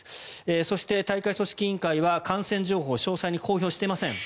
そして大会組織委員会は感染状況を詳細に発表していません。